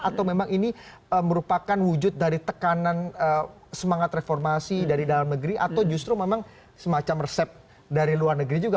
atau memang ini merupakan wujud dari tekanan semangat reformasi dari dalam negeri atau justru memang semacam resep dari luar negeri juga